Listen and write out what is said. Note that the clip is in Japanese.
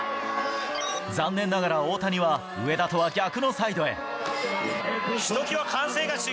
残念ながら大谷は、上田とは逆のサイドへ。